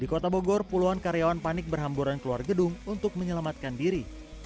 di kota bogor puluhan karyawan panik berhamburan keluar gedung untuk menyelamatkan diri